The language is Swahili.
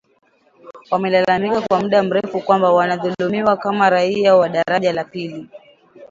wamelalamika kwa muda mrefu kwamba wanadhulumiwa kama raia wa daraja la pili